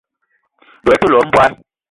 Doula le te lene mbogui.